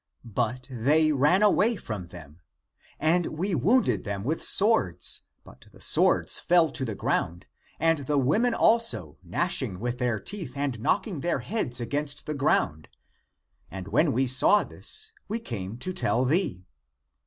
But they ran away from them. And we wounded them with swords, but the swords fell to the ground and they (the women) also, gnashing with their teeth and ACTS OF THOMAS 281 knocking their heads against the ground. And when we saw this, we came to tell thee.